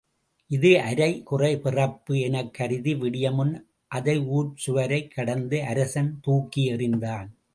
இது அரை குறை பிறப்பு எனக் கருதி விடியுமுன் அதை ஊர்ச் சுவரைக் கடந்து அரசன் தூக்கி எறிந்தான்.